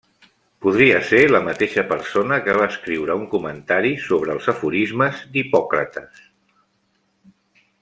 Podria ser la mateixa persona que va escriure un comentari sobre els aforismes d'Hipòcrates.